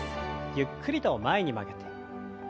ゆっくりと前に曲げて。